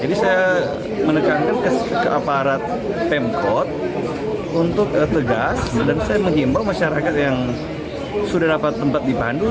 jadi saya menekankan ke aparat pemkot untuk tegas dan saya menghimbau masyarakat yang sudah dapat tempat di pandu